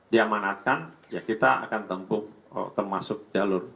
diamanatkan ya kita akan tempuh termasuk jalur